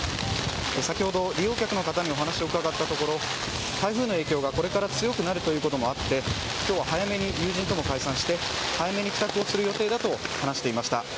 先ほど、利用客の方にお話を伺ったところ台風の影響がこれから強くなるということもあって今日は早めに友人とも解散して早めに帰宅をする予定だと話していました。